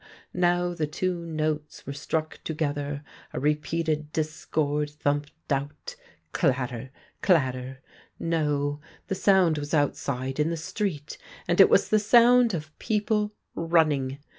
Now the two notes were struck together, a re peated discord, thumped out — clatter ! clatter ! No, the sound was outside in the street, and it was the sound of people running.